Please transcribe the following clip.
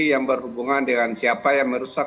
yang berhubungan dengan siapa yang merusak